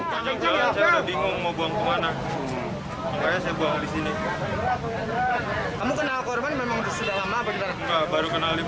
kamu mau buang kemana saya buang disini kamu kenal korban memang sudah lama baru kenalin